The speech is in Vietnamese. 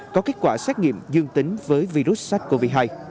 có kết quả xét nghiệm dương tính với virus sars cov hai